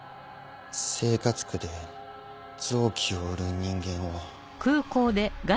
生活苦で臓器を売る人間を。